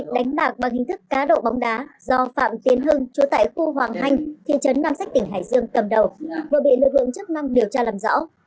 đánh bạc bằng hình thức cá độ bóng đá do phạm tiến hưng chủ tải khu hoàng hanh thiên chấn nam sách tỉnh hải dương cầm đầu vừa bị lực lượng chức năng điều tra làm rõ